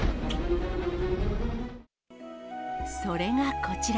それがこちら。